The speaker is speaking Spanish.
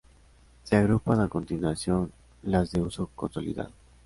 Se agrupan a continuación las de uso consolidado.